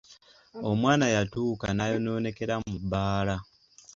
Omwana yatuuka n'ayonoonekera mu bbaala.